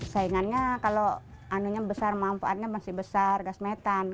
saingannya kalau anunya besar manfaatnya masih besar gas metan